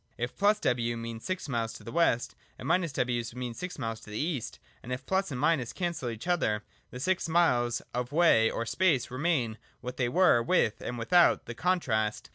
If + W mean 6 miles to the West, and — W mean 6 miles to the East, and if the + and cancel each other, the 6 miles of way or space remain what they were with and without the contrast.